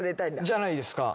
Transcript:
じゃないですか。